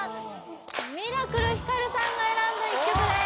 ミラクルひかるさんが選んだ１曲です